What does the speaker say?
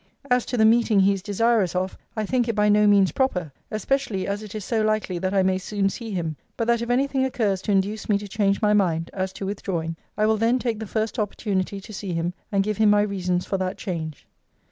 'As to the meeting he is desirous of, I think it by no means proper; especially as it is so likely that I may soon see him. But that if any thing occurs to induce me to change my mind, as to withdrawing, I will then take the first opportunity to see him, and give him my reasons for that change.